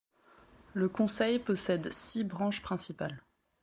Le conseil possède six branches principales.